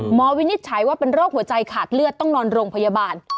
วินิจฉัยว่าเป็นโรคหัวใจขาดเลือดต้องนอนโรงพยาบาล